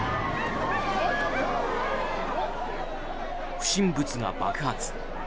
不審物が爆発。